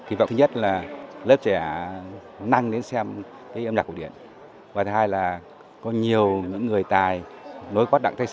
khi vọng thứ nhất là lớp trẻ năng đến xem cái âm nhạc khổ điển và thứ hai là có nhiều những người tài nối quát đặng thay sơn